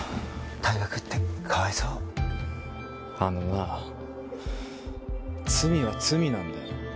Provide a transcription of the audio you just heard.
退学ってかわいそうあのな罪は罪なんだよ